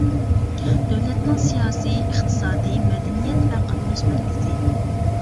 دۆلەتنىڭ سىياسىي، ئىقتىسادىي، مەدەنىيەت ۋە قاتناش مەركىزى.